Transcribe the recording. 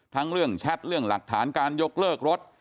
ทั้งเรื่องแชทเรื่องหลักฐานการยกเลิกรถ